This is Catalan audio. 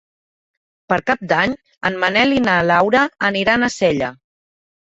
Per Cap d'Any en Manel i na Laura aniran a Sella.